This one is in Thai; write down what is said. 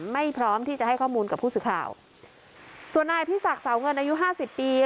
พร้อมที่จะให้ข้อมูลกับผู้สื่อข่าวส่วนนายอภิษักสาวเงินอายุห้าสิบปี